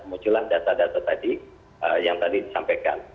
munculan data data tadi yang tadi disampaikan